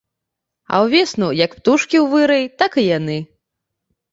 А ўвесну, як птушкі ў вырай, так і яны.